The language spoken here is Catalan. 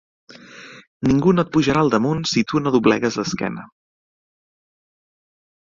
Ningú no et pujarà al damunt si tu no doblegues l'esquena.